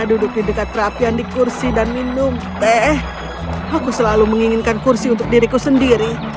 duduk di dekat perapian di kursi dan minum teh aku selalu menginginkan kursi untuk diriku sendiri